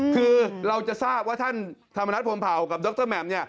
คือเราจะทราบว่าท่านธรรมนัฐพรมเผากับดรแหม่ม